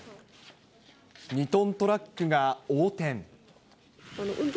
２トントラックが横転。